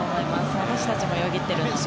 私たちもよぎってるので。